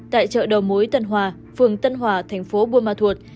tại chợ đồng mối tân hòa phường tân hòa tp buôn ma thuật